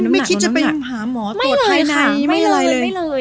ไม่คิดจะไปหาหมอตรวจภายในไม่อะไรเลย